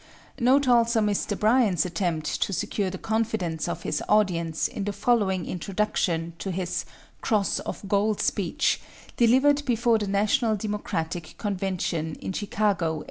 Note also Mr. Bryan's attempt to secure the confidence of his audience in the following introduction to his "Cross of Gold" speech delivered before the National Democratic Convention in Chicago, 1896.